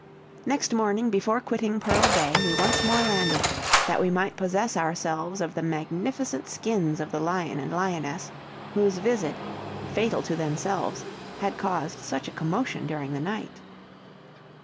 Next morning, before quitting Pearl Bay, we once more landed, that we might possess ourselves of the magnificent skins of the lion and lioness, whose visit, fatal to themselves, had caused such a commotion during the night.